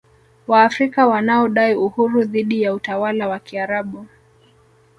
Waafrika wanaodai uhuru dhidi ya utawala wa Kiarabu